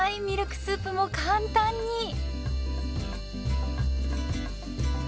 ミルクスープも簡単に。